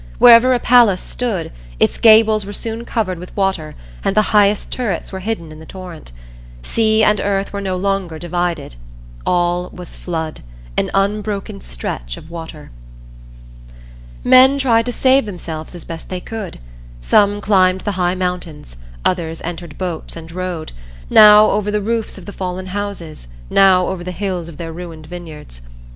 Wherever a palace stood, its gables were soon covered with water and the highest turrets were hidden in the torrent. Sea and earth were no longer divided; all was flood an unbroken stretch of water. Men tried to save themselves as best they could; some climbed the high mountains; others entered boats and rowed, now over the roofs of the fallen houses, now over the hills of their ruined vineyards.